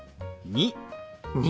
２。